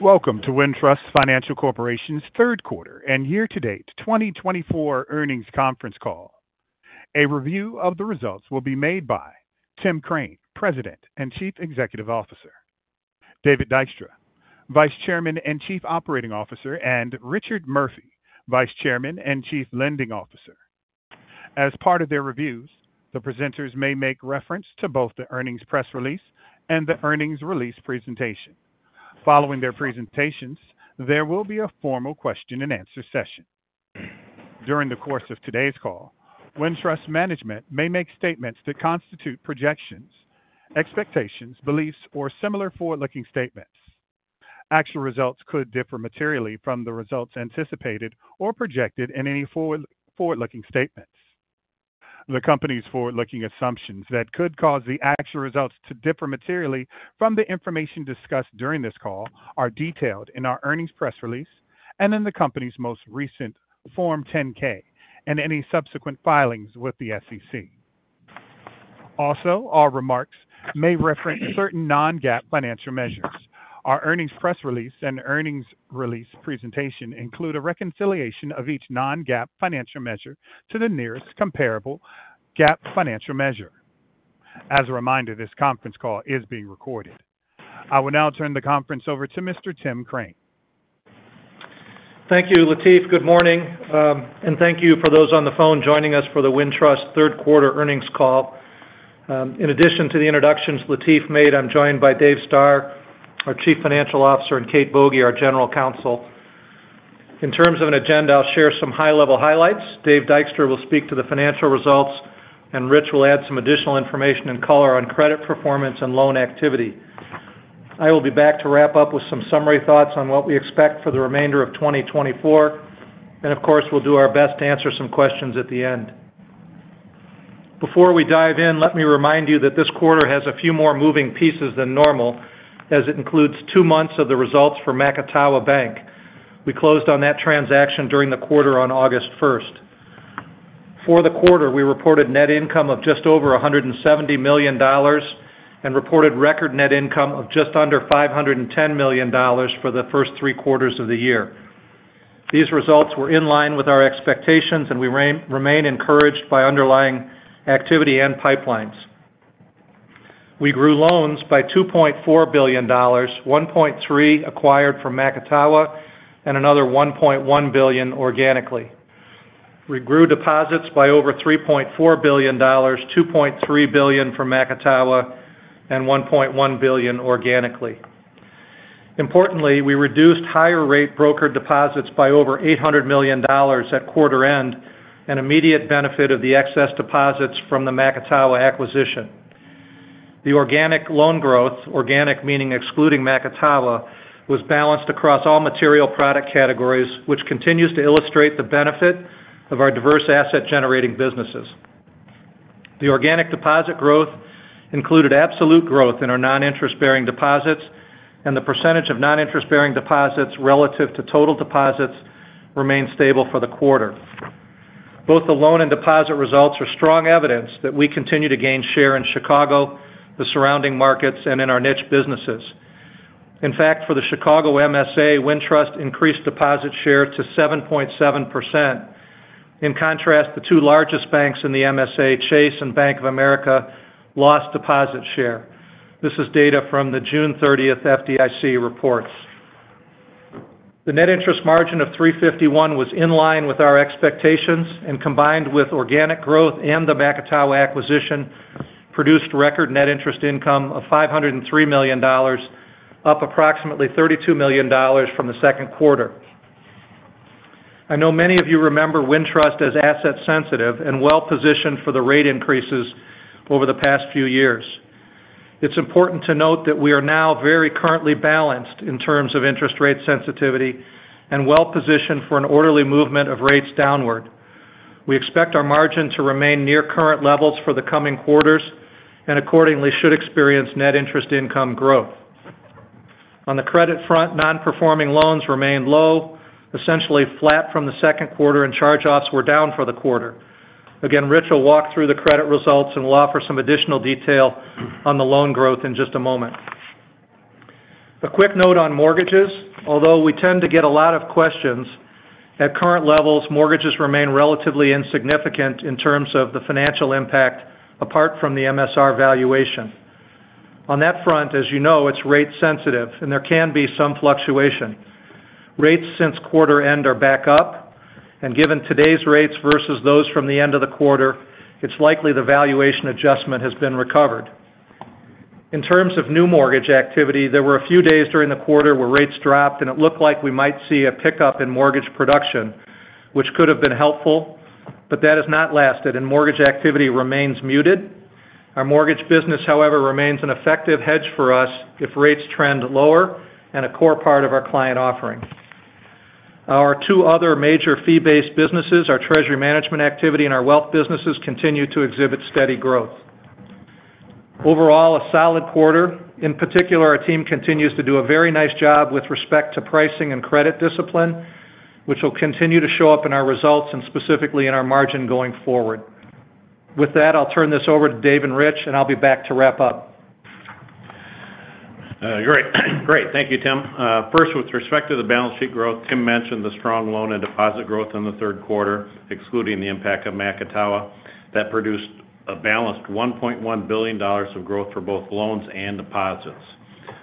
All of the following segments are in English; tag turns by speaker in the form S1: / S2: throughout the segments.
S1: Welcome to Wintrust Financial Corporation's third quarter and year-to-date 2024 earnings conference call. A review of the results will be made by Tim Crane, President and Chief Executive Officer, David Dykstra, Vice Chairman and Chief Operating Officer, and Richard Murphy, Vice Chairman and Chief Lending Officer. As part of their reviews, the presenters may make reference to both the earnings press release and the earnings release presentation. Following their presentations, there will be a formal question-and-answer session. During the course of today's call, Wintrust management may make statements that constitute projections, expectations, beliefs, or similar forward-looking statements. Actual results could differ materially from the results anticipated or projected in any forward, forward-looking statements. The company's forward-looking assumptions that could cause the actual results to differ materially from the information discussed during this call are detailed in our earnings press release and in the company's most recent Form 10-K and any subsequent filings with the SEC. Also, our remarks may reference certain non-GAAP financial measures. Our earnings press release and earnings release presentation include a reconciliation of each non-GAAP financial measure to the nearest comparable GAAP financial measure. As a reminder, this conference call is being recorded. I will now turn the conference over to Mr. Tim Crane.
S2: Thank you, Latif. Good morning, and thank you for those on the phone joining us for the Wintrust third quarter earnings call. In addition to the introductions Latif made, I'm joined by Dave Stoehr, our Chief Financial Officer, and Kate Boege, our General Counsel. In terms of an agenda, I'll share some high-level highlights. Dave Dykstra will speak to the financial results, and Rich will add some additional information and color on credit performance and loan activity. I will be back to wrap up with some summary thoughts on what we expect for the remainder of 2024, and of course, we'll do our best to answer some questions at the end. Before we dive in, let me remind you that this quarter has a few more moving pieces than normal, as it includes two months of the results for Macatawa Bank. We closed on that transaction during the quarter on August first. For the quarter, we reported net income of just over $170 million and reported record net income of just under $510 million for the first three quarters of the year. These results were in line with our expectations, and we remain encouraged by underlying activity and pipelines. We grew loans by $2.4 billion, $1.3 billion acquired from Macatawa and another $1.1 billion organically. We grew deposits by over $3.4 billion, $2.3 billion from Macatawa and $1.1 billion organically. Importantly, we reduced higher rate brokered deposits by over $800 million at quarter end, an immediate benefit of the excess deposits from the Macatawa acquisition. The organic loan growth, organic meaning excluding Macatawa, was balanced across all material product categories, which continues to illustrate the benefit of our diverse asset-generating businesses. The organic deposit growth included absolute growth in our non-interest-bearing deposits, and the percentage of non-interest-bearing deposits relative to total deposits remained stable for the quarter. Both the loan and deposit results are strong evidence that we continue to gain share in Chicago, the surrounding markets, and in our niche businesses. In fact, for the Chicago MSA, Wintrust increased deposit share to 7.7%. In contrast, the two largest banks in the MSA, Chase and Bank of America, lost deposit share. This is data from the June 30th FDIC reports. The net interest margin of 3.51 was in line with our expectations, and combined with organic growth and the Macatawa acquisition, produced record net interest income of $503 million, up approximately $32 million from the second quarter. I know many of you remember Wintrust as asset sensitive and well-positioned for the rate increases over the past few years. It's important to note that we are now very currently balanced in terms of interest rate sensitivity and well-positioned for an orderly movement of rates downward. We expect our margin to remain near current levels for the coming quarters and accordingly, should experience net interest income growth. On the credit front, non-performing loans remained low, essentially flat from the second quarter, and charge-offs were down for the quarter. Again, Rich will walk through the credit results and will offer some additional detail on the loan growth in just a moment. A quick note on mortgages. Although we tend to get a lot of questions, at current levels, mortgages remain relatively insignificant in terms of the financial impact apart from the MSR valuation. On that front, as you know, it's rate sensitive and there can be some fluctuation. Rates since quarter end are back up, and given today's rates versus those from the end of the quarter, it's likely the valuation adjustment has been recovered. In terms of new mortgage activity, there were a few days during the quarter where rates dropped, and it looked like we might see a pickup in mortgage production, which could have been helpful, but that has not lasted, and mortgage activity remains muted. Our mortgage business, however, remains an effective hedge for us if rates trend lower and a core part of our client offering. Our two other major fee-based businesses, our treasury management activity and our wealth businesses, continue to exhibit steady growth. Overall, a solid quarter. In particular, our team continues to do a very nice job with respect to pricing and credit discipline, which will continue to show up in our results and specifically in our margin going forward.... With that, I'll turn this over to Dave and Rich, and I'll be back to wrap up.
S3: Great. Great. Thank you, Tim. First, with respect to the balance sheet growth, Tim mentioned the strong loan and deposit growth in the third quarter, excluding the impact of Macatawa, that produced a balanced $1.1 billion of growth for both loans and deposits.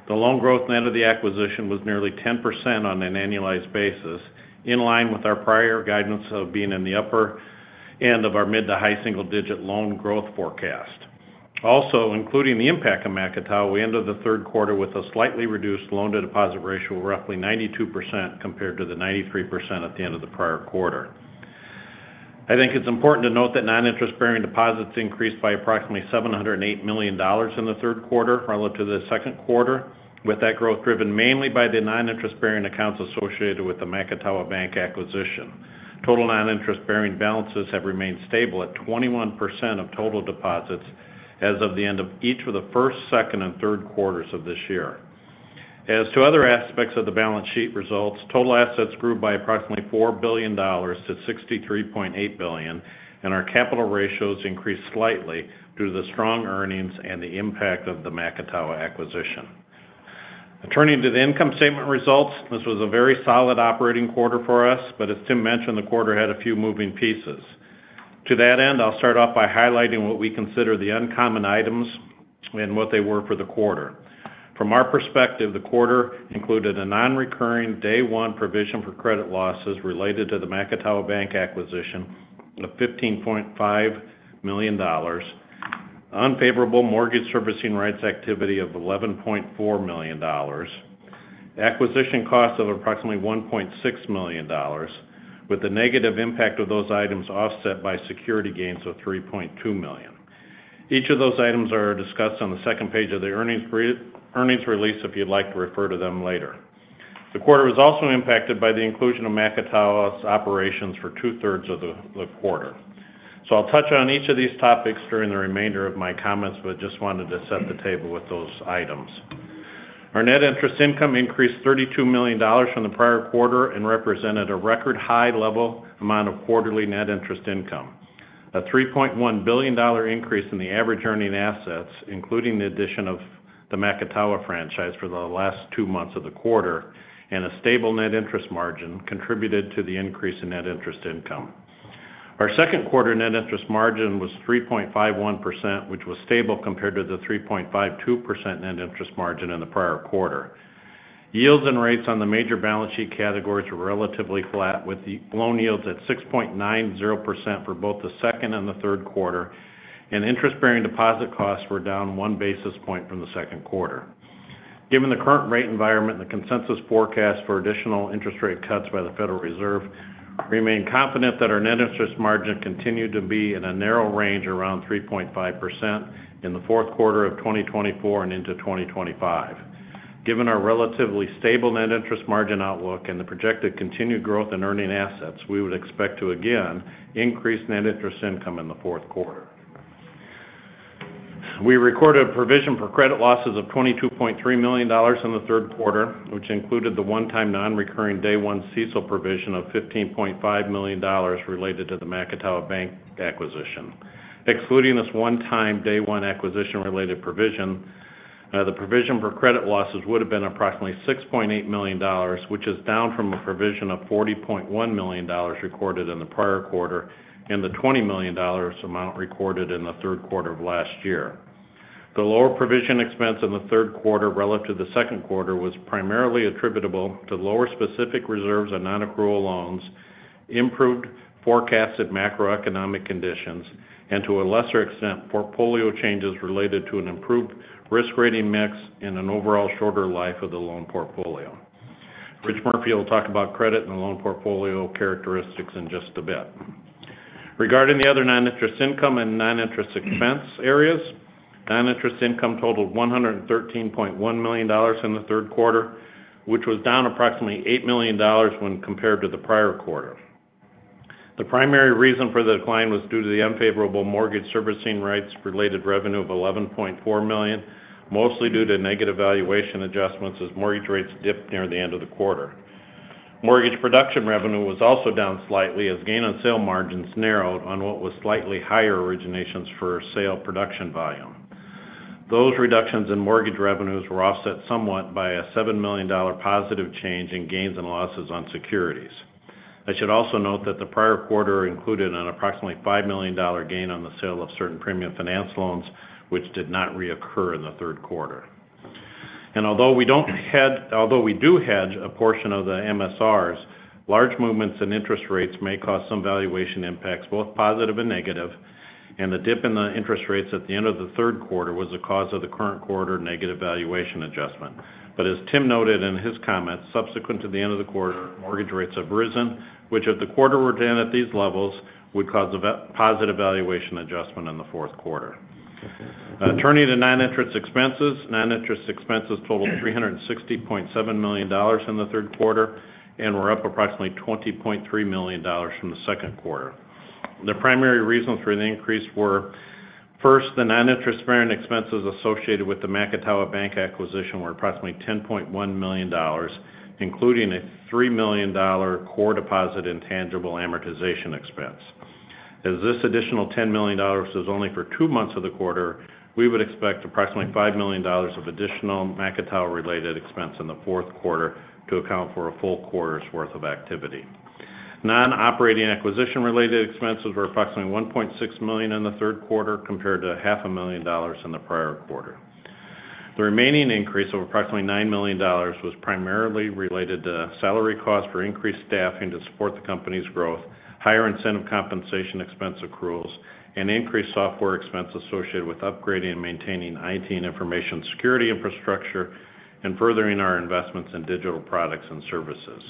S3: The loan growth ahead of the acquisition was nearly 10% on an annualized basis, in line with our prior guidance of being in the upper end of our mid- to high single-digit loan growth forecast. Also, including the impact of Macatawa, we ended the third quarter with a slightly reduced loan-to-deposit ratio of roughly 92% compared to the 93% at the end of the prior quarter. I think it's important to note that non-interest-bearing deposits increased by approximately $708 million in the third quarter relative to the second quarter, with that growth driven mainly by the non-interest-bearing accounts associated with the Macatawa Bank acquisition. Total non-interest-bearing balances have remained stable at 21% of total deposits as of the end of each of the first, second, and third quarters of this year. As to other aspects of the balance sheet results, total assets grew by approximately $4 billion to $63.8 billion, and our capital ratios increased slightly due to the strong earnings and the impact of the Macatawa acquisition. Turning to the income statement results, this was a very solid operating quarter for us, but as Tim mentioned, the quarter had a few moving pieces. To that end, I'll start off by highlighting what we consider the uncommon items and what they were for the quarter. From our perspective, the quarter included a nonrecurring Day One provision for credit losses related to the Macatawa Bank acquisition of $15.5 million, unfavorable mortgage servicing rights activity of $11.4 million, acquisition costs of approximately $1.6 million, with the negative impact of those items offset by security gains of $3.2 million. Each of those items are discussed on the second page of the earnings release, if you'd like to refer to them later. The quarter was also impacted by the inclusion of Macatawa's operations for two-thirds of the quarter. So I'll touch on each of these topics during the remainder of my comments, but just wanted to set the table with those items. Our net interest income increased $32 million from the prior quarter and represented a record high level amount of quarterly net interest income. A $3.1 billion increase in the average earning assets, including the addition of the Macatawa franchise for the last two months of the quarter, and a stable net interest margin contributed to the increase in net interest income. Our second quarter net interest margin was 3.51%, which was stable compared to the 3.52% net interest margin in the prior quarter. Yields and rates on the major balance sheet categories were relatively flat, with the loan yields at 6.90% for both the second and the third quarter, and interest-bearing deposit costs were down one basis point from the second quarter. Given the current rate environment, the consensus forecast for additional interest rate cuts by the Federal Reserve, we remain confident that our net interest margin continued to be in a narrow range around 3.5% in the fourth quarter of 2024 and into 2025. Given our relatively stable net interest margin outlook and the projected continued growth in earning assets, we would expect to again increase net interest income in the fourth quarter. We recorded a provision for credit losses of $22.3 million in the third quarter, which included the one-time nonrecurring Day One CECL provision of $15.5 million related to the Macatawa Bank acquisition. Excluding this one-time Day One acquisition-related provision, the provision for credit losses would have been approximately $6.8 million, which is down from a provision of $40.1 million recorded in the prior quarter and the $20 million amount recorded in the third quarter of last year. The lower provision expense in the third quarter relative to the second quarter was primarily attributable to lower specific reserves and non-accrual loans, improved forecasted macroeconomic conditions, and, to a lesser extent, portfolio changes related to an improved risk rating mix and an overall shorter life of the loan portfolio. Rich Murphy will talk about credit and loan portfolio characteristics in just a bit. Regarding the other non-interest income and non-interest expense areas, non-interest income totaled $113.1 million in the third quarter, which was down approximately $8 million when compared to the prior quarter. The primary reason for the decline was due to the unfavorable mortgage servicing rights-related revenue of $11.4 million, mostly due to negative valuation adjustments as mortgage rates dipped near the end of the quarter. Mortgage production revenue was also down slightly as gain on sale margins narrowed on what was slightly higher originations for sale production volume. Those reductions in mortgage revenues were offset somewhat by a $7 million positive change in gains and losses on securities. I should also note that the prior quarter included an approximately $5 million gain on the sale of certain premium finance loans, which did not reoccur in the third quarter. And although we don't head-- although we do hedge a portion of the MSRs, large movements in interest rates may cause some valuation impacts, both positive and negative, and the dip in the interest rates at the end of the third quarter was the cause of the current quarter negative valuation adjustment. But as Tim noted in his comments, subsequent to the end of the quarter, mortgage rates have risen, which, if the quarter were to end at these levels, would cause a positive valuation adjustment in the fourth quarter. Turning to non-interest expenses. Non-interest expenses totaled $360.7 million in the third quarter and were up approximately $20.3 million from the second quarter. The primary reasons for the increase were-... First, the non-interest-bearing expenses associated with the Macatawa Bank acquisition were approximately $10.1 million, including a $3 million core deposit intangible amortization expense. As this additional $10 million is only for two months of the quarter, we would expect approximately $5 million of additional Macatawa-related expense in the fourth quarter to account for a full quarter's worth of activity. Non-operating acquisition-related expenses were approximately $1.6 million in the third quarter, compared to $500,000 in the prior quarter. The remaining increase of approximately $9 million was primarily related to salary costs for increased staffing to support the company's growth, higher incentive compensation expense accruals, and increased software expenses associated with upgrading and maintaining IT and information security infrastructure, and furthering our investments in digital products and services.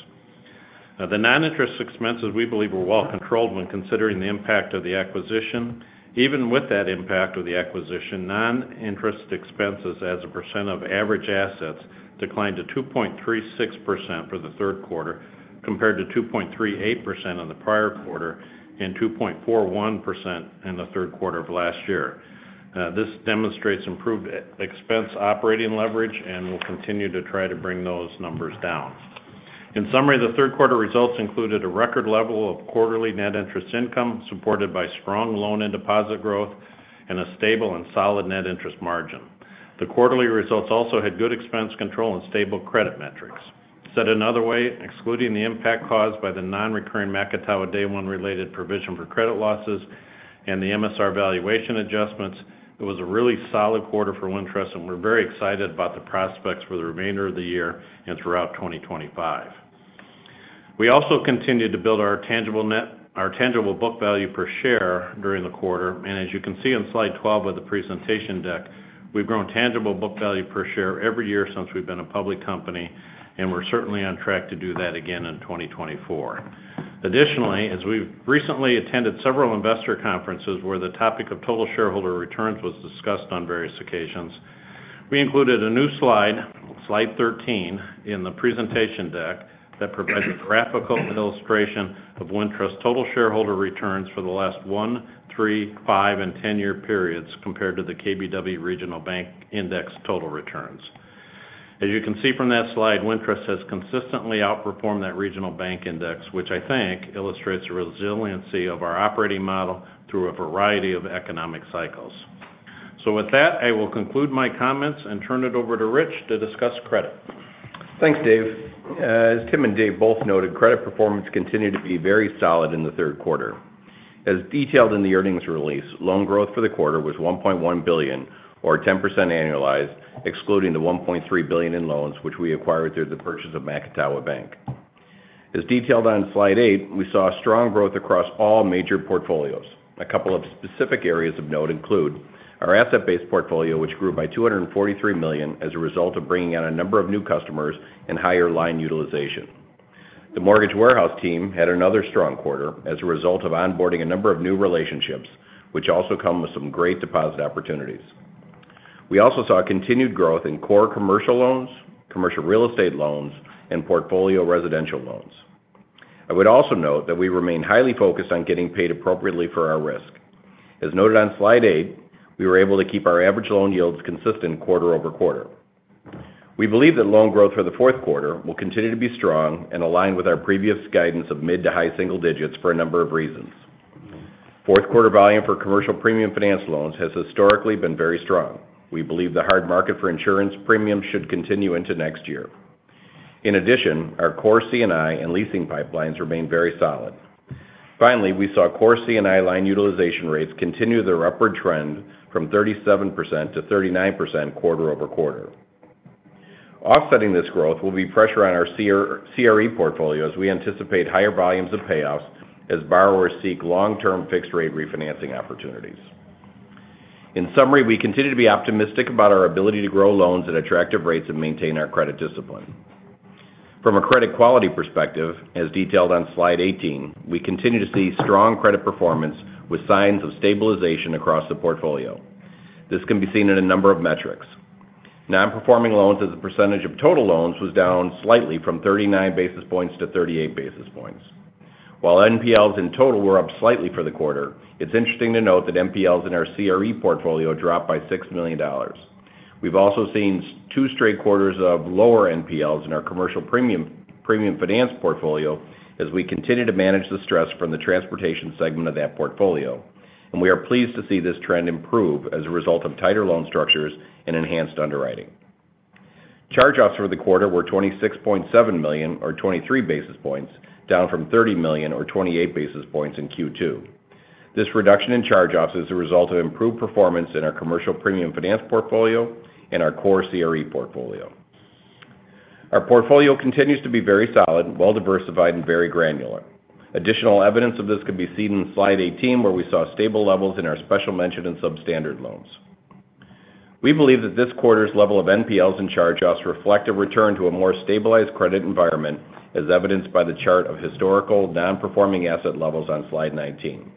S3: Now, the non-interest expenses, we believe, were well controlled when considering the impact of the acquisition. Even with that impact of the acquisition, non-interest expenses as a percent of average assets declined to 2.36% for the third quarter, compared to 2.38% in the prior quarter and 2.41% in the third quarter of last year. This demonstrates improved expense operating leverage, and we'll continue to try to bring those numbers down. In summary, the third quarter results included a record level of quarterly net interest income, supported by strong loan and deposit growth and a stable and solid net interest margin. The quarterly results also had good expense control and stable credit metrics. Said another way, excluding the impact caused by the non-recurring Macatawa day one related provision for credit losses and the MSR valuation adjustments, it was a really solid quarter for Wintrust, and we're very excited about the prospects for the remainder of the year and throughout 2025. We also continued to build our tangible net- our tangible book value per share during the quarter, and as you can see on Slide 12 of the presentation deck, we've grown tangible book value per share every year since we've been a public company, and we're certainly on track to do that again in 2024. Additionally, as we've recently attended several investor conferences where the topic of total shareholder returns was discussed on various occasions, we included a new slide, Slide 13, in the presentation deck that provides a graphical illustration of Wintrust's total shareholder returns for the last one, three, five, and 10-year periods compared to the KBW Regional Bank Index total returns. As you can see from that slide, Wintrust has consistently outperformed that regional bank index, which I think illustrates the resiliency of our operating model through a variety of economic cycles. So with that, I will conclude my comments and turn it over to Rich to discuss credit.
S4: Thanks, Dave. As Tim and Dave both noted, credit performance continued to be very solid in the third quarter. As detailed in the earnings release, loan growth for the quarter was $1.1 billion, or 10% annualized, excluding the $1.3 billion in loans, which we acquired through the purchase of Macatawa Bank. As detailed on Slide eight, we saw strong growth across all major portfolios. A couple of specific areas of note include: our asset-based portfolio, which grew by $243 million as a result of bringing on a number of new customers and higher line utilization. The mortgage warehouse team had another strong quarter as a result of onboarding a number of new relationships, which also come with some great deposit opportunities. We also saw continued growth in core commercial loans, commercial real estate loans, and portfolio residential loans. I would also note that we remain highly focused on getting paid appropriately for our risk. As noted on Slide eight, we were able to keep our average loan yields consistent quarter over quarter. We believe that loan growth for the fourth quarter will continue to be strong and aligned with our previous guidance of mid to high single digits for a number of reasons. Fourth quarter volume for commercial premium finance loans has historically been very strong. We believe the hard market for insurance premiums should continue into next year. In addition, our core C&I and leasing pipelines remain very solid. Finally, we saw core C&I line utilization rates continue their upward trend from 37% to 39% quarter over quarter. Offsetting this growth will be pressure on our CRE portfolio, as we anticipate higher volumes of payoffs as borrowers seek long-term fixed-rate refinancing opportunities. In summary, we continue to be optimistic about our ability to grow loans at attractive rates and maintain our credit discipline. From a credit quality perspective, as detailed on Slide 18, we continue to see strong credit performance with signs of stabilization across the portfolio. This can be seen in a number of metrics. Non-performing loans as a percentage of total loans was down slightly from 39 basis points to 38 basis points. While NPLs in total were up slightly for the quarter, it's interesting to note that NPLs in our CRE portfolio dropped by $6 million. We've also seen two straight quarters of lower NPLs in our commercial premium, premium finance portfolio as we continue to manage the stress from the transportation segment of that portfolio, and we are pleased to see this trend improve as a result of tighter loan structures and enhanced underwriting. Charge-offs for the quarter were $26.7 million or 23 basis points, down from $30 million or 28 basis points in Q2. This reduction in charge-offs is a result of improved performance in our commercial premium finance portfolio and our core CRE portfolio. Our portfolio continues to be very solid, well-diversified, and very granular. Additional evidence of this can be seen in Slide 18, where we saw stable levels in our special mention and substandard loans. We believe that this quarter's level of NPLs and charge-offs reflect a return to a more stabilized credit environment, as evidenced by the chart of historical non-performing asset levels on Slide 19.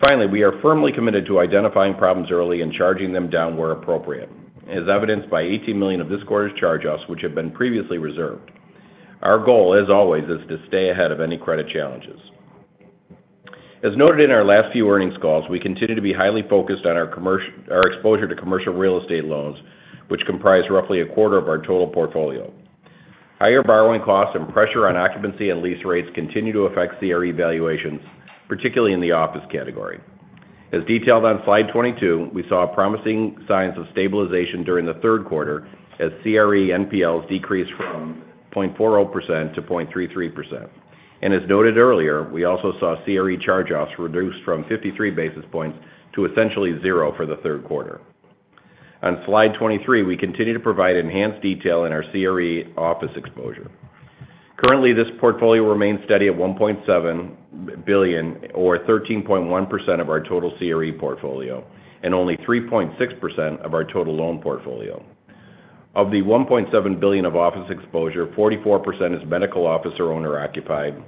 S4: Finally, we are firmly committed to identifying problems early and charging them down where appropriate, as evidenced by $18 million of this quarter's charge-offs, which have been previously reserved. Our goal, as always, is to stay ahead of any credit challenges. As noted in our last few earnings calls, we continue to be highly focused on our exposure to commercial real estate loans, which comprise roughly a quarter of our total portfolio. Higher borrowing costs and pressure on occupancy and lease rates continue to affect CRE valuations, particularly in the office category. As detailed on Slide 22, we saw promising signs of stabilization during the third quarter, as CRE NPLs decreased from 0.40% to 0.33%. As noted earlier, we also saw CRE charge-offs reduced from 53 basis points to essentially zero for the third quarter. On Slide 23, we continue to provide enhanced detail in our CRE office exposure. Currently, this portfolio remains steady at $1.7 billion, or 13.1% of our total CRE portfolio, and only 3.6% of our total loan portfolio. Of the $1.7 billion of office exposure, 44% is medical office or owner-occupied.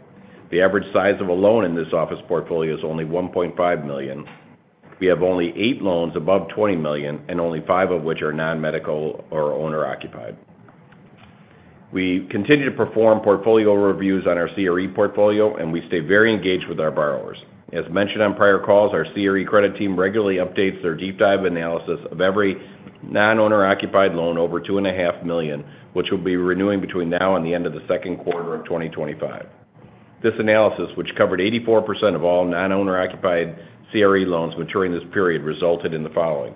S4: The average size of a loan in this office portfolio is only $1.5 million. We have only 8 loans above $20 million, and only 5 of which are non-medical or owner-occupied. We continue to perform portfolio reviews on our CRE portfolio, an d we stay very engaged with our borrowers. As mentioned on prior calls, our CRE credit team regularly updates their deep dive analysis of every non-owner occupied loan over $2.5 million, which will be renewing between now and the end of the second quarter of 2025. This analysis, which covered 84% of all non-owner occupied CRE loans maturing this period, resulted in the following: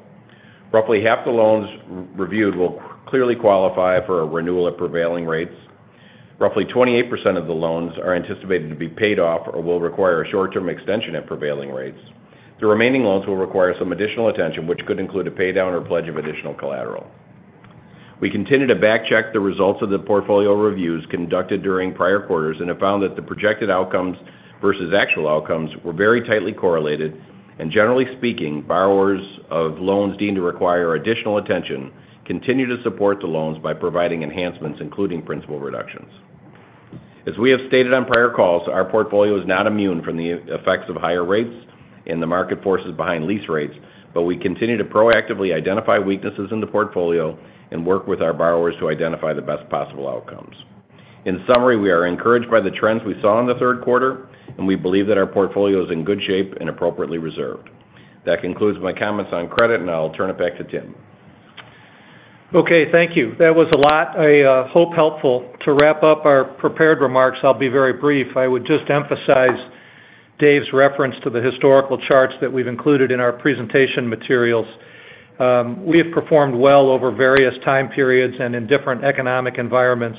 S4: Roughly half the loans reviewed will clearly qualify for a renewal at prevailing rates. Roughly 28% of the loans are anticipated to be paid off or will require a short-term extension at prevailing rates. The remaining loans will require some additional attention, which could include a paydown or pledge of additional collateral. We continue to backcheck the results of the portfolio reviews conducted during prior quarters and have found that the projected outcomes versus actual outcomes were very tightly correlated, and generally speaking, borrowers of loans deemed to require additional attention continue to support the loans by providing enhancements, including principal reductions. As we have stated on prior calls, our portfolio is not immune from the effects of higher rates and the market forces behind lease rates, but we continue to proactively identify weaknesses in the portfolio and work with our borrowers to identify the best possible outcomes. In summary, we are encouraged by the trends we saw in the third quarter, and we believe that our portfolio is in good shape and appropriately reserved. That concludes my comments on credit, and I'll turn it back to Tim.
S2: Okay, thank you. That was a lot. I hope it's helpful. To wrap up our prepared remarks, I'll be very brief. I would just emphasize Dave's reference to the historical charts that we've included in our presentation materials. We have performed well over various time periods and in different economic environments.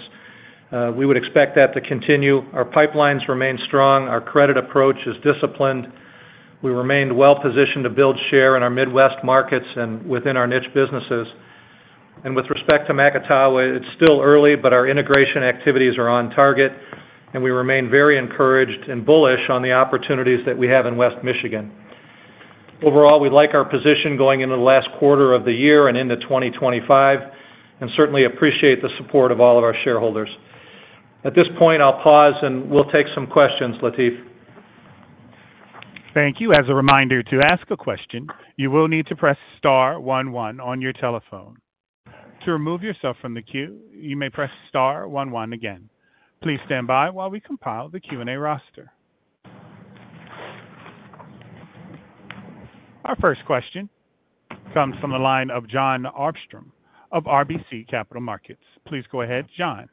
S2: We would expect that to continue. Our pipelines remain strong. Our credit approach is disciplined. We remained well-positioned to build share in our Midwest markets and within our niche businesses, and with respect to Macatawa, it's still early, but our integration activities are on target, and we remain very encouraged and bullish on the opportunities that we have in West Michigan. Overall, we like our position going into the last quarter of the year and into 2025, and certainly appreciate the support of all of our shareholders. At this point, I'll pause, and we'll take some questions, Latif.
S1: Thank you. As a reminder, to ask a question, you will need to press star one one on your telephone. To remove yourself from the queue, you may press star one one again. Please stand by while we compile the Q&A roster. Our first question comes from the line of Jon Arfstrom of RBC Capital Markets. Please go ahead, Jon.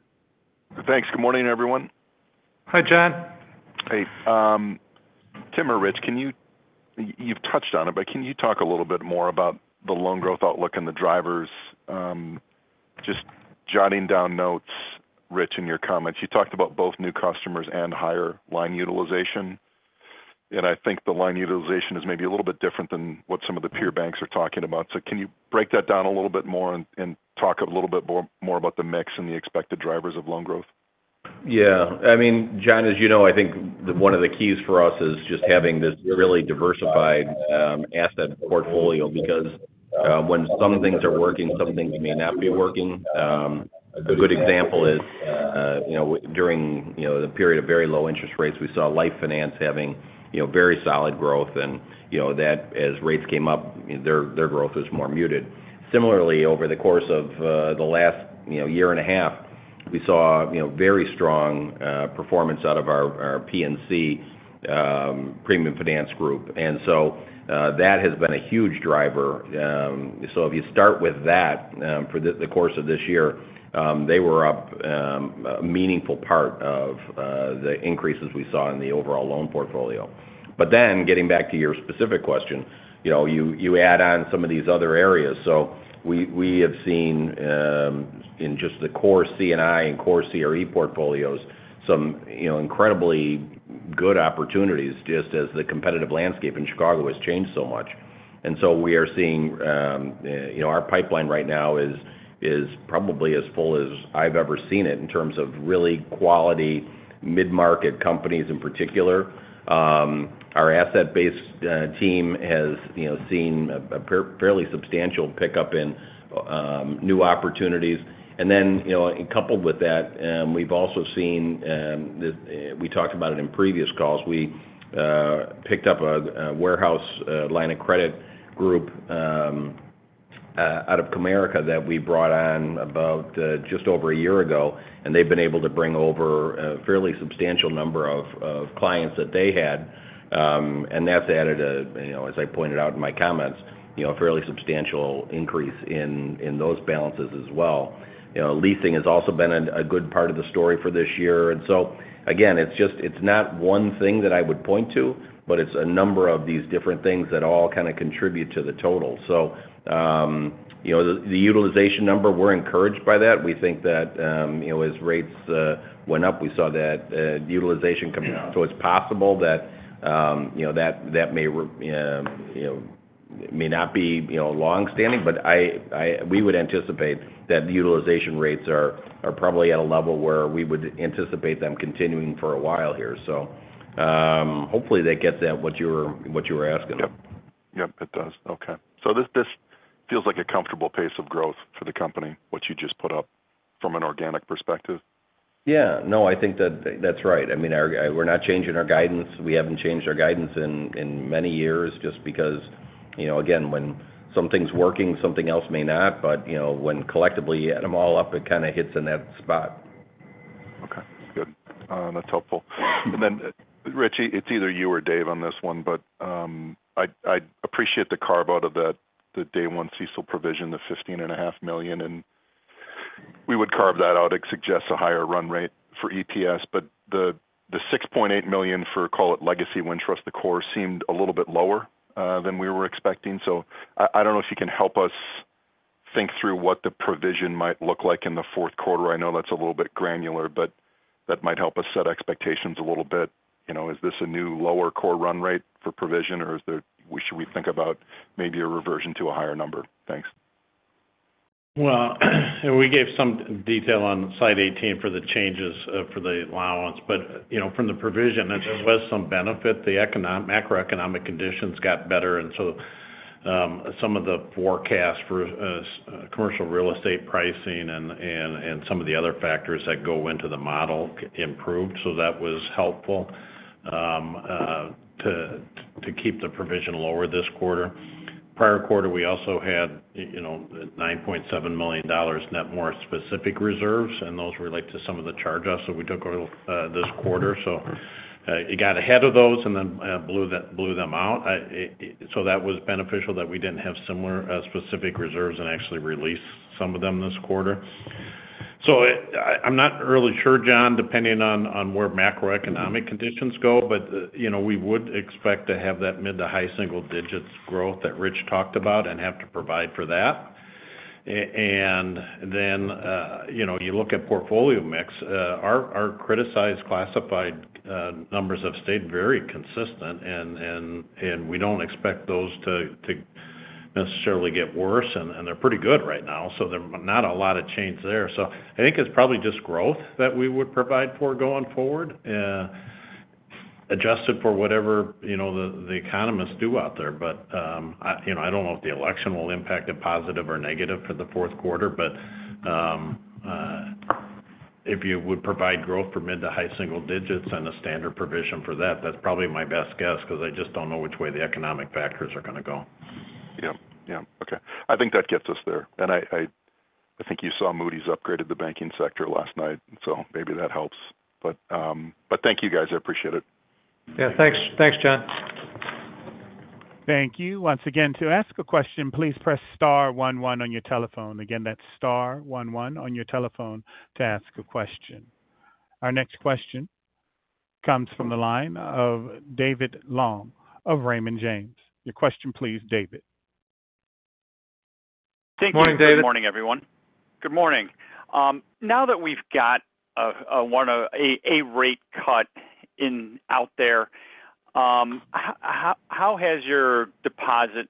S5: Thanks. Good morning, everyone.
S2: Hi, John.
S5: Hey, Tim or Rich, can you—you've touched on it, but can you talk a little bit more about the loan growth outlook and the drivers? Just jotting down notes, Rich, in your comments, you talked about both new customers and higher line utilization. And I think the line utilization is maybe a little bit different than what some of the peer banks are talking about. So can you break that down a little bit more and talk a little bit more about the mix and the expected drivers of loan growth?
S4: Yeah. I mean, John, as you know, I think one of the keys for us is just having this really diversified asset portfolio, because when some things are working, some things may not be working. A good example is you know during you know the period of very low interest rates, we saw Life Finance having you know very solid growth, and you know that as rates came up, their growth was more muted. Similarly, over the course of the last you know year and a half, we saw you know very strong performance out of our P&C premium finance group. And so that has been a huge driver. So if you start with that, for the course of this year, they were up a meaningful part of the increases we saw in the overall loan portfolio. But then getting back to your specific question, you know, you add on some of these other areas. So we have seen in just the core C&I and core CRE portfolios, some you know, incredibly good opportunities just as the competitive landscape in Chicago has changed so much. And so we are seeing you know, our pipeline right now is probably as full as I've ever seen it in terms of really quality, mid-market companies in particular. Our asset-based team has you know, seen a fairly substantial pickup in new opportunities. And then, you know, coupled with that, we've also seen we talked about it in previous calls, we picked up a warehouse line of credit group out of Comerica that we brought on about just over a year ago, and they've been able to bring over a fairly substantial number of clients that they had, and that's added, you know, as I pointed out in my comments, you know, a fairly substantial increase in those balances as well. You know, leasing has also been a good part of the story for this year, and so again, it's just, it's not one thing that I would point to, but it's a number of these different things that all kind of contribute to the total, so you know, the utilization number, we're encouraged by that. We think that, you know, as rates went up, we saw that utilization coming out. So it's possible that, you know, may not be long-standing, but we would anticipate that the utilization rates are probably at a level where we would anticipate them continuing for a while here. So, hopefully, that gets at what you were asking.
S5: Yep. Yep, it does. Okay. So this, this feels like a comfortable pace of growth for the company, what you just put up from an organic perspective?
S4: Yeah. No, I think that, that's right. I mean, our, we're not changing our guidance. We haven't changed our guidance in many years just because, you know, again, when something's working, something else may not, but, you know, when collectively you add them all up, it kind of hits in that spot.
S5: Okay, good. That's helpful. And then, Richie, it's either you or Dave on this one, but I'd appreciate the carve-out of the Day One CECL provision, the $15.5 million, and we would carve that out. It suggests a higher run rate for EPS, but the $6.8 million for, call it Legacy Wintrust, the core, seemed a little bit lower than we were expecting. So I don't know if you can help us think through what the provision might look like in the fourth quarter. I know that's a little bit granular, but that might help us set expectations a little bit. You know, is this a new lower core run rate for provision, or should we think about maybe a reversion to a higher number? Thanks.
S3: And we gave some detail on slide 18 for the changes for the allowance. But, you know, from the provision, there was some benefit. The macroeconomic conditions got better, and so, some of the forecast for commercial real estate pricing and some of the other factors that go into the model improved. So that was helpful to keep the provision lower this quarter. Prior quarter, we also had, you know, $9.7 million net more specific reserves, and those relate to some of the charge-offs that we took this quarter. So, you got ahead of those and then, blew them out. So that was beneficial that we didn't have similar specific reserves and actually released some of them this quarter. I'm not really sure, John, depending on where macroeconomic conditions go, but you know, we would expect to have that mid to high single digits growth that Rich talked about and have to provide for that. And then, you know, you look at portfolio mix, our criticized classified numbers have stayed very consistent, and we don't expect those to necessarily get worse, and they're pretty good right now, so there's not a lot of change there. I think it's probably just growth that we would provide for going forward, adjusted for whatever, you know, the economists do out there. But you know, I don't know if the election will impact it, positive or negative for the fourth quarter. If you would provide growth for mid to high single digits and a standard provision for that, that's probably my best guess, because I just don't know which way the economic factors are going to go.
S5: Yep. Yep. Okay, I think that gets us there, and I think you saw Moody's upgraded the banking sector last night, so maybe that helps. But thank you, guys. I appreciate it.
S3: Yeah, thanks. Thanks, Jon.
S1: Thank you. Once again, to ask a question, please press star one one on your telephone. Again, that's star one one on your telephone to ask a question. Our next question comes from the line of David Long of Raymond James. Your question, please, David.
S4: Morning, David.
S6: Good morning, everyone. Good morning. Now that we've got one rate cut out there, how has your deposit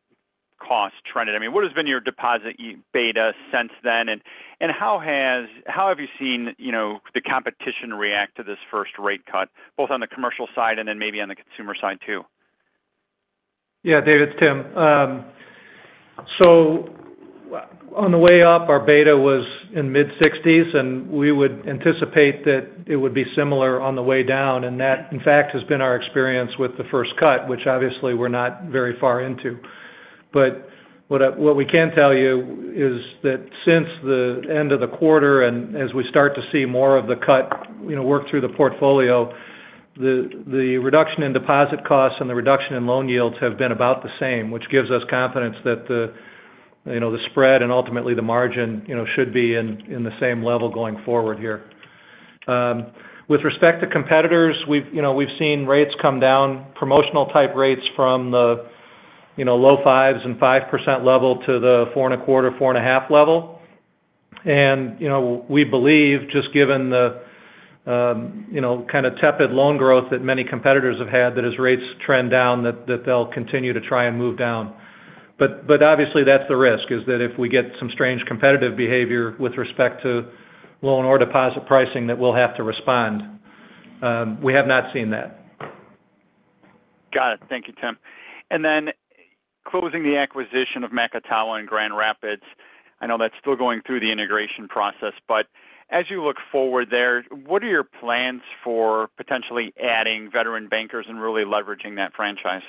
S6: costs trended? I mean, what has been your deposit beta since then, and how have you seen, you know, the competition react to this first rate cut, both on the commercial side and then maybe on the consumer side, too?
S2: Yeah, David, it's Tim. S o on the way up, our beta was in mid-sixties, and we would anticipate that it would be similar on the way down, and that, in fact, has been our experience with the first cut, which obviously we're not very far into. But what we can tell you is that since the end of the quarter, and as we start to see more of the cut, you know, work through the portfolio, the reduction in deposit costs and the reduction in loan yields have been about the same, which gives us confidence that the, you know, the spread and ultimately the margin, you know, should be in the same level going forward here. With respect to competitors, we've, you know, we've seen rates come down, promotional type rates from the, you know, low 5s and 5% level to the 4.25, 4.5 level. You know, we believe, just given the, you know, kind of tepid loan growth that many competitors have had, that as rates trend down, they'll continue to try and move down. But obviously, that's the risk, is that if we get some strange competitive behavior with respect to loan or deposit pricing, that we'll have to respond. We have not seen that.
S6: Got it. Thank you, Tim. And then closing the acquisition of Macatawa in Grand Rapids, I know that's still going through the integration process, but as you look forward there, what are your plans for potentially adding veteran bankers and really leveraging that franchise?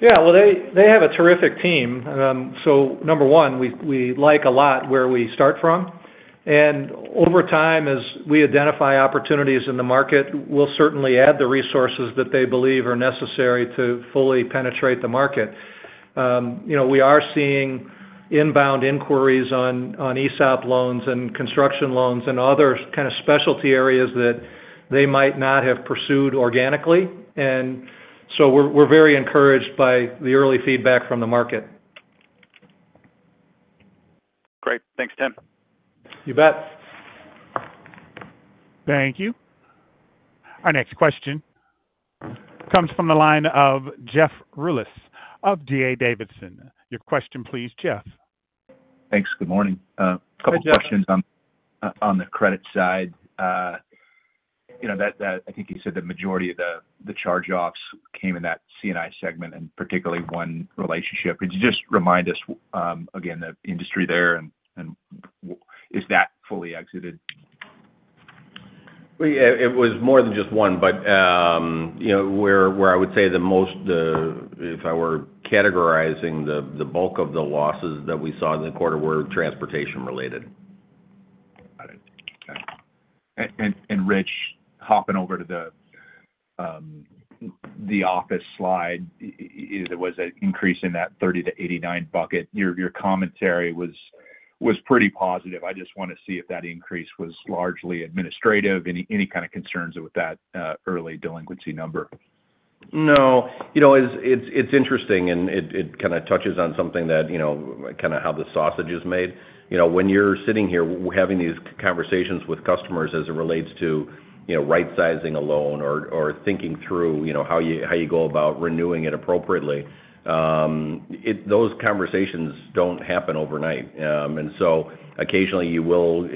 S2: Yeah, well, they have a terrific team. So number one, we like a lot where we start from. And over time, as we identify opportunities in the market, we'll certainly add the resources that they believe are necessary to fully penetrate the market. You know, we are seeing inbound inquiries on ESOP loans and construction loans and other kind of specialty areas that they might not have pursued organically. And so we're very encouraged by the early feedback from the market.
S6: Great. Thanks, Tim.
S2: You bet.
S1: Thank you. Our next question comes from the line of Jeff Rulis of D.A. Davidson. Your question, please, Jeff.
S7: Thanks. Good morning.
S2: Hi, Jeff.
S7: A couple of questions on the credit side. You know, I think you said the majority of the charge-offs came in that C&I segment, and particularly one relationship. Could you just remind us again the industry there, and is that fully exited?
S3: Well, yeah, it was more than just one, but, you know, where I would say the most, if I were categorizing the bulk of the losses that we saw in the quarter were transportation related.
S7: Got it. Okay. And Rich, hopping over to the office slide, there was an increase in that 30 to 89 bucket. Your commentary was pretty positive. I just want to see if that increase was largely administrative. Any kind of concerns with that early delinquency number?
S3: No. You know, it's interesting, and it kind of touches on something that, you know, kind of how the sausage is made. You know, when you're sitting here having these conversations with customers as it relates to, you know, right-sizing a loan or thinking through, you know, how you go about renewing it appropriately, those conversations don't happen overnight. And so occasionally, you will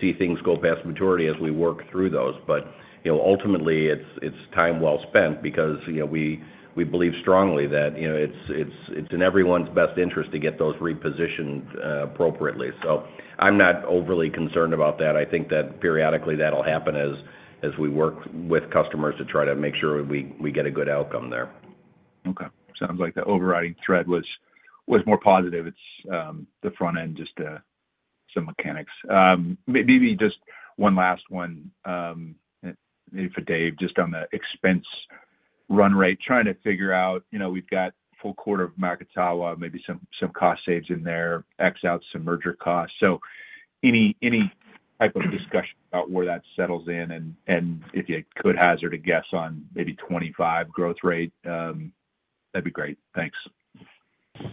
S3: see things go past maturity as we work through those. But, you know, ultimately, it's time well spent because, you know, we believe strongly that, you know, it's in everyone's best interest to get those repositioned appropriately. So I'm not overly concerned about that. I think that periodically, that'll happen as we work with customers to try to make sure we get a good outcome there.
S7: Okay. Sounds like the overriding thread was more positive. It's the front end, just some mechanics. Maybe just one last one, maybe for Dave, just on the expense run rate. Trying to figure out, you know, we've got full quarter of Macatawa, maybe some cost saves in there, X out some merger costs. So any type of discussion about where that settles in? And if you could hazard a guess on maybe 2025 growth rate, that'd be great. Thanks.
S3: As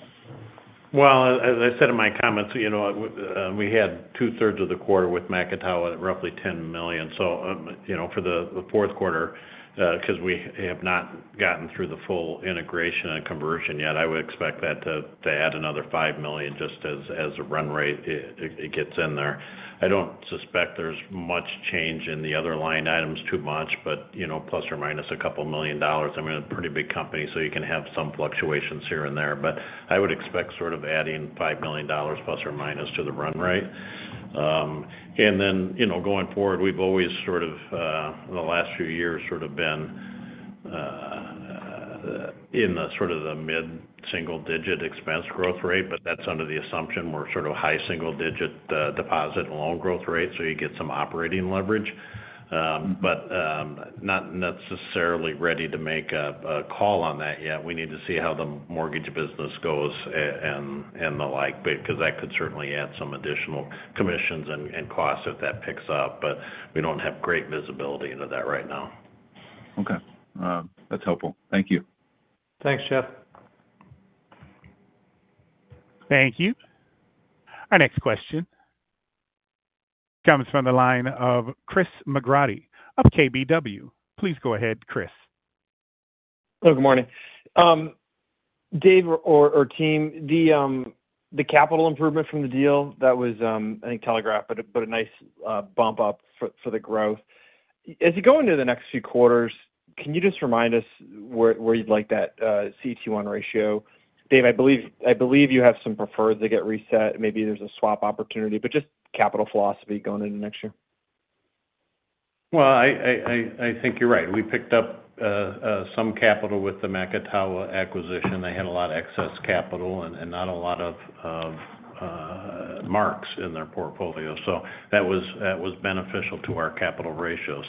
S3: I said in my comments, you know, we had two-thirds of the quarter with Macatawa at roughly $10 million. So, you know, for the fourth quarter, because we have not gotten through the full integration and conversion yet, I would expect that to add another $5 million just as a run rate, it gets in there. I don't suspect there's much change in the other line items too much, but, you know, plus or minus a couple million Dollars, I mean, a pretty big company, so you can have some fluctuations here and there. But I would expect sort of adding $5 million plus or minus to the run rate. And then, you know, going forward, we've always sort of in the last few years, sort of been in the sort of mid-single digit expense growth rate, but that's under the assumption we're sort of a high single digit deposit and loan growth rate, so you get some operating leverage, but not necessarily ready to make a call on that yet. We need to see how the mortgage business goes and the like, because that could certainly add some additional commissions and costs if that picks up, but we don't have great visibility into that right now.
S7: Okay. That's helpful. Thank you.
S3: Thanks, Jeff.
S1: Thank you. Our next question comes from the line of Chris McGratty of KBW. Please go ahead, Chris.
S8: Hello, good morning. Dave or team, the capital improvement from the deal, that was, I think, telegraphed, but a nice bump up for the growth. As you go into the next few quarters, can you just remind us where you'd like that CET1 ratio? Dave, I believe you have some preferred to get reset. Maybe there's a swap opportunity, but just capital philosophy going into next year.
S3: I think you're right. We picked up some capital with the Macatawa acquisition. They had a lot of excess capital and not a lot of marks in their portfolio, so that was beneficial to our capital ratios.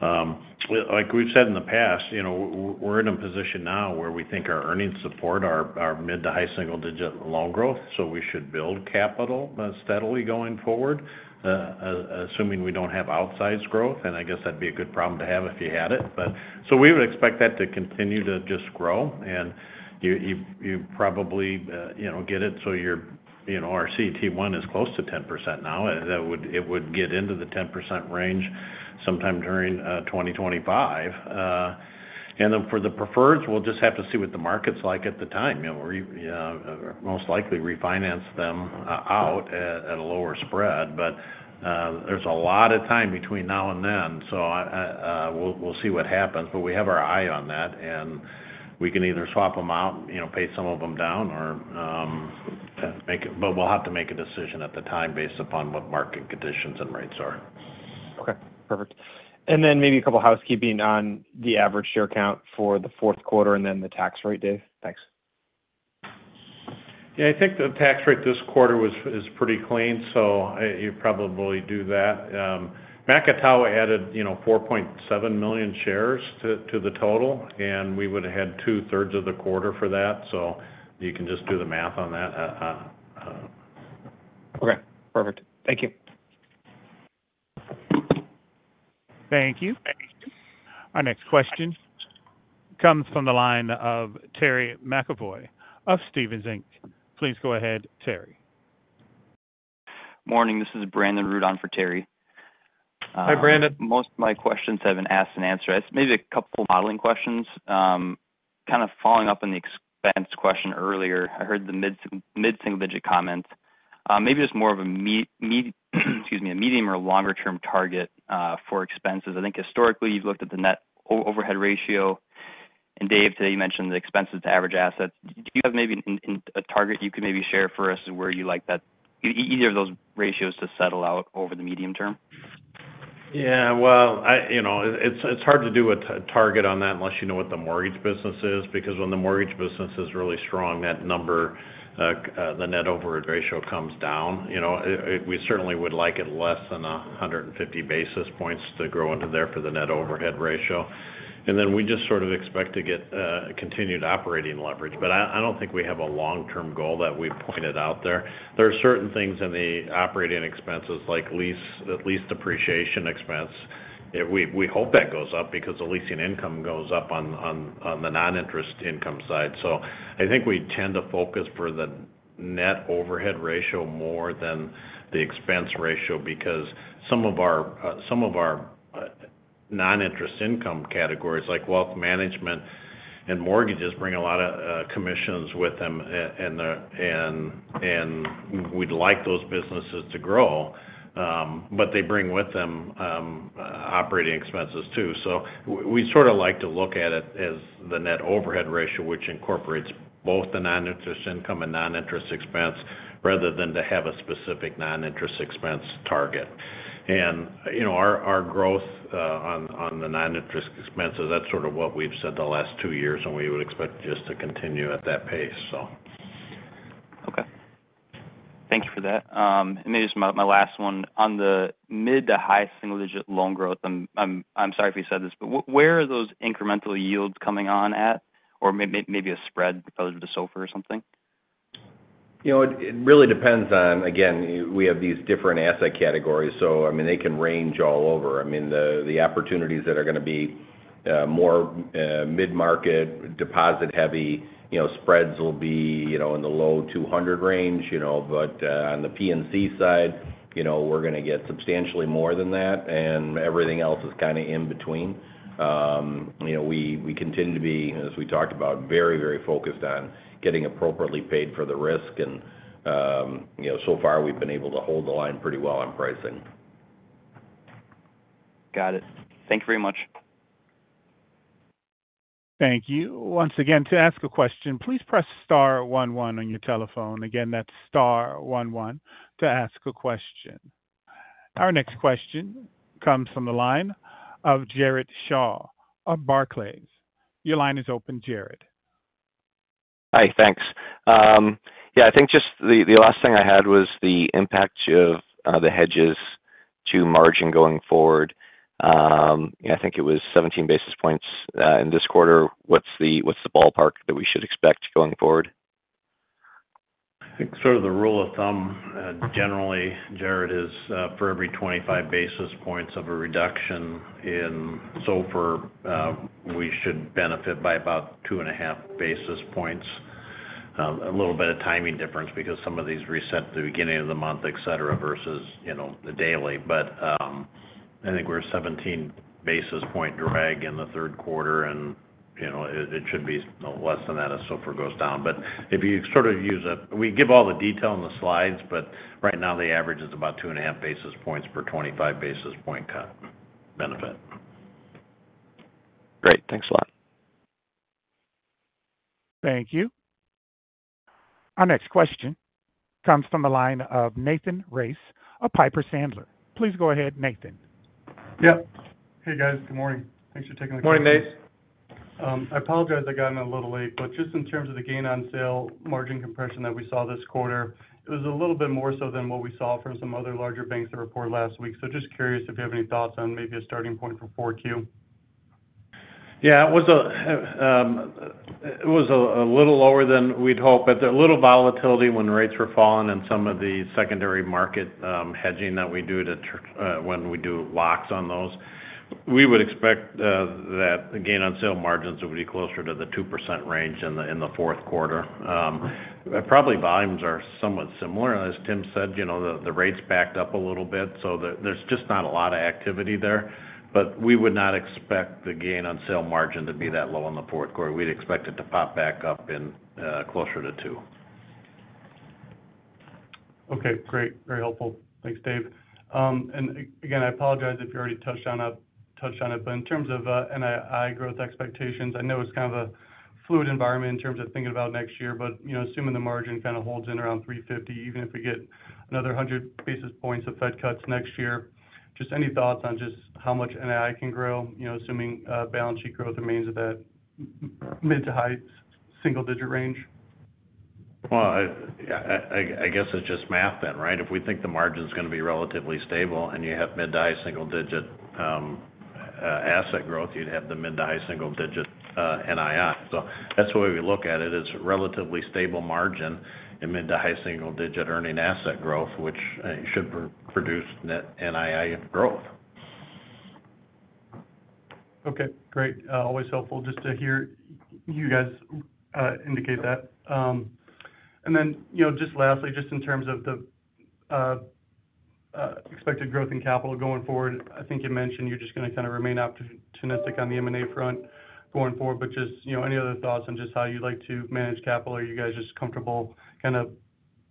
S3: Like we've said in the past, you know, we're in a position now where we think our earnings support are mid to high single digit loan growth, so we should build capital steadily going forward, assuming we don't have outsized growth, and I guess that'd be a good problem to have if you had it. But so we would expect that to continue to just grow, and you probably, you know, get it so your, you know, our CET1 is close to 10% now. It would get into the 10% range sometime during 2025, and then for the preferred, we'll just have to see what the market's like at the time. You know, we're most likely refinance them out at a lower spread, but there's a lot of time between now and then, so we'll see what happens, but we have our eye on that. We can either swap them out, you know, pay some of them down or make it, but we'll have to make a decision at the time based upon what market conditions and rates are.
S8: Okay, perfect. And then maybe a couple of housekeeping on the average share count for the fourth quarter and then the tax rate, Dave? Thanks.
S3: Yeah, I think the tax rate this quarter was, is pretty clean, so you probably do that. Macatawa added, you know, 4.7 million shares to the total, and we would have had two-thirds of the quarter for that. So you can just do the math on that.
S8: Okay, perfect. Thank you.
S1: Thank you. Our next question comes from the line of Terry McEvoy of Stephens Inc. Please go ahead, Terry.
S9: Morning, this is Brendan Nosal for Terry.
S3: Hi, Brandon.
S9: Most of my questions have been asked and answered. Maybe a couple of modeling questions. Kind of following up on the expense question earlier. I heard the mid-single-digit comments. Maybe it's more of a medium or longer-term target, excuse me, for expenses. I think historically, you've looked at the net overhead ratio, and Dave, today you mentioned the expenses to average assets. Do you have maybe in a target you could maybe share for us where you like that, either of those ratios to settle out over the medium term?
S3: Yeah, well, you know, it's hard to do a target on that unless you know what the mortgage business is, because when the mortgage business is really strong, that number, the net overhead ratio comes down. You know, we certainly would like it less than 150 basis points to grow into there for the net overhead ratio. And then we just sort of expect to get continued operating leverage. But I don't think we have a long-term goal that we've pointed out there. There are certain things in the operating expenses, like lease, the lease depreciation expense. We hope that goes up because the leasing income goes up on the non-interest income side. I think we tend to focus on the net overhead ratio more than the expense ratio, because some of our non-interest income categories, like wealth management and mortgages, bring a lot of commissions with them, and we'd like those businesses to grow, but they bring with them operating expenses, too. We sort of like to look at it as the net overhead ratio, which incorporates both the non-interest income and non-interest expense, rather than to have a specific non-interest expense target. You know, our growth on the non-interest expenses, that's sort of what we've said the last two years, and we would expect just to continue at that pace.
S9: Okay. Thank you for that. And maybe just my last one. On the mid to high single-digit loan growth, I'm sorry if you said this, but where are those incremental yields coming on at? Or maybe a spread relative to SOFR or something?
S3: You know, it really depends on, again, we have these different asset categories, so, I mean, they can range all over. I mean, the opportunities that are going to be more mid-market, deposit-heavy, you know, spreads will be, you know, in the low 200 range, you know, but on the P&C side, you know, we're going to get substantially more than that, and everything else is kind of in between. You know, we continue to be, as we talked about, very, very focused on getting appropriately paid for the risk, and you know, so far, we've been able to hold the line pretty well on pricing.
S9: Got it. Thank you very much.
S1: Thank you. Once again, to ask a question, please press star one one on your telephone. Again, that's star one one to ask a question. Our next question comes from the line of Jared Shaw of Barclays. Your line is open, Jared.
S10: Hi, thanks. Yeah, I think just the last thing I had was the impact of the hedges to margin going forward. I think it was 17 basis points in this quarter. What's the ballpark that we should expect going forward?
S3: I think sort of the rule of thumb, generally, Jared, is, for every 25 basis points of a reduction in SOFR, we should benefit by about two and a half basis points. A little bit of timing difference because some of these reset at the beginning of the month, et cetera, versus, you know, the daily. But, I think we're a seventeen basis point drag in the third quarter, and, you know, it should be less than that as SOFR goes down. But if you sort of use a we give all the detail on the slides, but right now the average is about two and a half basis points per 25 basis point cut benefit.
S10: Great. Thanks a lot.
S1: Thank you. Our next question comes from the line of Nathan Race of Piper Sandler. Please go ahead, Nathan.
S11: Yep. Hey, guys. Good morning. Thanks for taking the call.
S3: Good morning, Nate.
S11: I apologize I got in a little late, but just in terms of the gain on sale margin compression that we saw this quarter, it was a little bit more so than what we saw from some other larger banks that reported last week. So just curious if you have any thoughts on maybe a starting point for 4Q?
S3: Yeah, it was a little lower than we'd hoped, but a little volatility when rates were falling and some of the secondary market hedging that we do when we do locks on those. We would expect that the gain on sale margins would be closer to the 2% range in the fourth quarter. Probably volumes are somewhat similar. As Tim said, you know, the rates backed up a little bit, so there's just not a lot of activity there. But we would not expect the gain on sale margin to be that low in the fourth quarter. We'd expect it to pop back up in closer to 2%....
S11: Okay, great. Very helpful. Thanks, Dave. And again, I apologize if you already touched on it, but in terms of NII growth expectations, I know it's kind of a fluid environment in terms of thinking about next year, but you know, assuming the margin kind of holds in around 350, even if we get another 100 basis points of Fed cuts next year, just any thoughts on just how much NII can grow, you know, assuming balance sheet growth remains at that mid to high single digit range?
S3: Well, I guess it's just math then, right? If we think the margin's gonna be relatively stable and you have mid to high single digit asset growth, you'd have the mid to high single digit NII. So that's the way we look at it. It's relatively stable margin and mid to high single digit earning asset growth, which should produce net NII growth.
S11: Okay, great. Always helpful just to hear you guys indicate that. And then, you know, just lastly, just in terms of the expected growth in capital going forward, I think you mentioned you're just gonna kind of remain opportunistic on the M&A front going forward, but just, you know, any other thoughts on just how you'd like to manage capital? Are you guys just comfortable kind of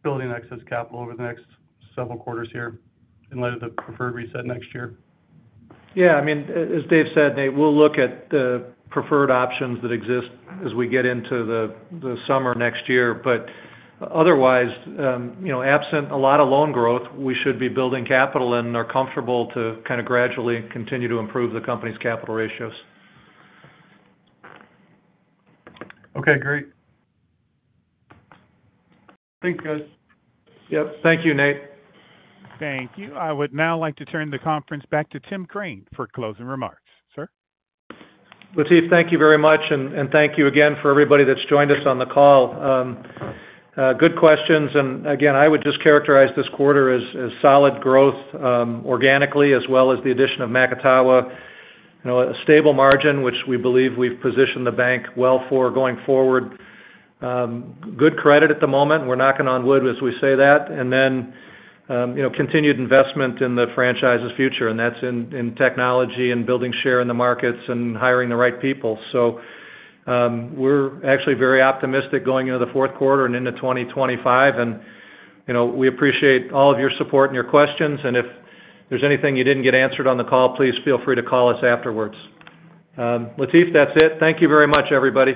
S11: building excess capital over the next several quarters here in light of the preferred reset next year?
S2: Yeah, I mean, as Dave said, Nate, we'll look at the preferred options that exist as we get into the summer next year. But otherwise, you know, absent a lot of loan growth, we should be building capital and are comfortable to kind of gradually continue to improve the company's capital ratios.
S12: Okay, great. Thanks, guys.
S2: Yep. Thank you, Nate.
S1: Thank you. I would now like to turn the conference back to Tim Crane for closing remarks, sir.
S2: Latif, thank you very much, and, and thank you again for everybody that's joined us on the call. Good questions, and again, I would just characterize this quarter as solid growth organically, as well as the addition of Macatawa. You know, a stable margin, which we believe we've positioned the bank well for going forward. Good credit at the moment, we're knocking on wood as we say that, and then, you know, continued investment in the franchise's future, and that's in technology and building share in the markets and hiring the right people. So, we're actually very optimistic going into the fourth quarter and into 2025. And, you know, we appreciate all of your support and your questions, and if there's anything you didn't get answered on the call, please feel free to call us afterwards. Latif, that's it. Thank you very much, everybody.